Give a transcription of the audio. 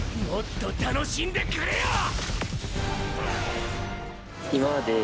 もっと楽しんでくれよ！